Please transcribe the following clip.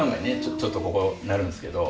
ちょっとここなるんですけど。